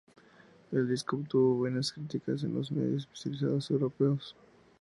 El disco obtuvo buenas críticas en los medios especializados europeos.